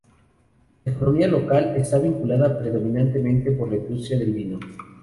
La economía local está vinculada predominantemente por la industria del vino.